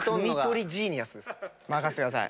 任せてください。